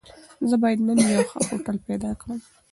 زه بايد نن يو ښه هوټل پيدا کړم.